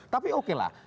tapi oke lah